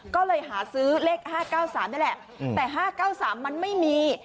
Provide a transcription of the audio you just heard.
ก็เลยหาซื้อเลข๕๙๓นี่แหละแต่๕๙๓มันไม่มี